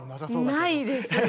ないですよ。